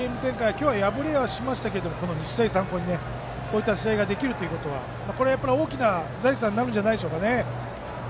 今日、敗れはしましたが日大三高に、こういう試合ができるということはこれは大きな財産になるんじゃないでしょうか。